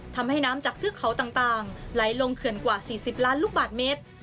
ทำให้น้ำจากเทือกเขาต่างไหลลงเขื่อนกว่า๔๐ล้านลูกบาทเมตร